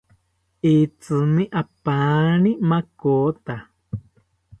Itzimi apaani makota